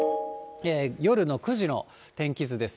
夜の９時の天気図です。